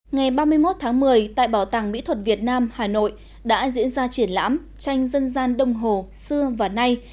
ngày ba mươi một tháng một mươi tại bảo tàng mỹ thuật việt nam hà nội đã diễn ra triển lãm tranh dân gian đông hồ xưa và nay